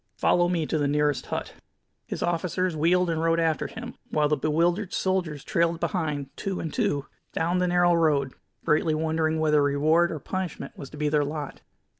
Follow me to the nearest hut." His officers wheeled and rode after him, while the bewildered soldiers trailed behind, two and two, down the narrow road, greatly wondering whether reward or punishment was to be their lot.